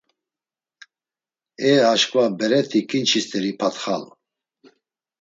E aşǩva bereti ǩinçi st̆eri patxalu.